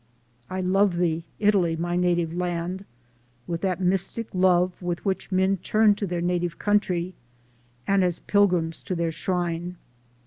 I love Thee, Italy, my native land, with that mystic love with which men turn to their native country and as Pil grims to their shrine.